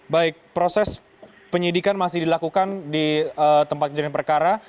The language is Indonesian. baik proses penyidikan masih dilakukan di tempat kejadian perkara